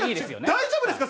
大丈夫ですか？